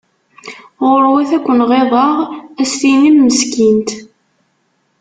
Ɣurwat ad ken-ɣiḍeɣ ad as-tinim meskint.